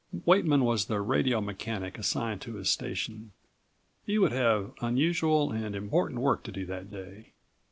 Weightman was the radio mechanic assigned to his station. He would have unusual and important work to do that day.